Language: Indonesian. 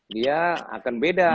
dia akan beda